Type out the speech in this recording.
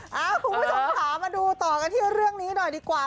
คุณผู้ชมค่ะมาดูต่อกันที่เรื่องนี้หน่อยดีกว่า